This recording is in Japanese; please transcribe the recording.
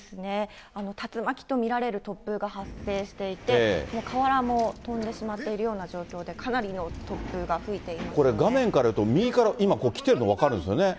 竜巻と見られる突風が発生していて、瓦も飛んでしまっているような状況で、かなりの突風が吹いていまこれ、画面からいうと右から今、来てるのが分かるんですよね。